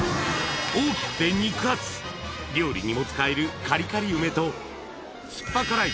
大きくて肉厚料理にも使えるカリカリ梅とすっぱ辛い